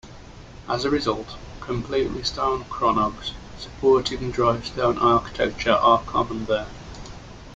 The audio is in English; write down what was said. As a result, completely stone crannogs supporting drystone architecture are common there.